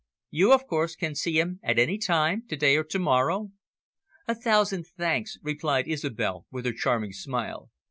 You, of course, can see him at any time, to day or to morrow?" "A thousand thanks," replied Isobel, with her charming smile.